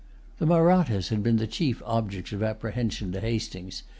The Mahrattas had been the chief objects of apprehension to Hastings.